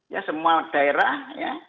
ya semua daerah ya